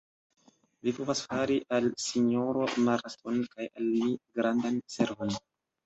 Vi povas fari al sinjoro Marston kaj al mi grandan servon.